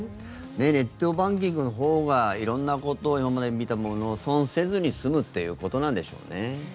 ネットバンキングのほうが色んなこと、今まで見たものを損せずに済むっていうことなんでしょうね。